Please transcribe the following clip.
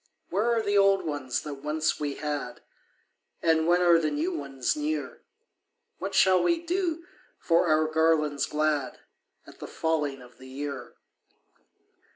Where are the old ones that once we had, And when are the new ones near? What shall we do for our garlands glad At the falling of the year?"